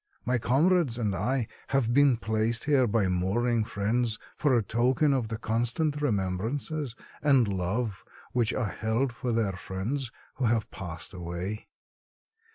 My comrades and I have been placed here by mourning friends for a token of the constant remembrances and love which are held for their friends who have passed away.